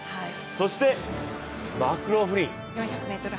そして、マクローフリン。